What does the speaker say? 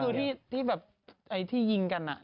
กละถามพระมงาคือตอนที่ยิงกันน่ะ